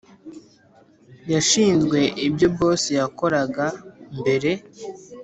yashinzwe, ibyo boss yakoraga mbere